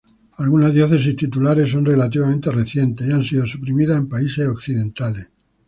Algunas diócesis titulares son relativamente recientes y han sido suprimidas en países occidentales.